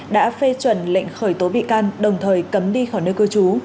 đã phê chuẩn lệnh khởi tố bị can đồng thời cấm đi khỏi nơi cơ chú